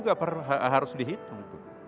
bagi kita akhiratnya pun juga harus dihitung